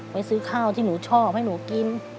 ไปซื้อข้าวที่หนูชอบให้หนูกิน